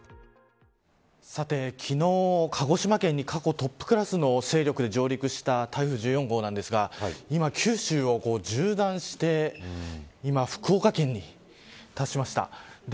さて、昨日鹿児島県に過去トップクラスの勢力で上陸した台風１４号なんですが今九州を縦断して今、福岡県に達しました。